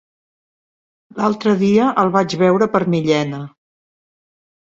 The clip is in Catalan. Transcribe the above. L'altre dia el vaig veure per Millena.